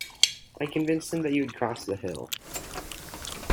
I convinced them that you had crossed the hill.